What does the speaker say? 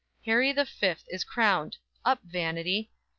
Harry the Fifth is crowned; up, vanity!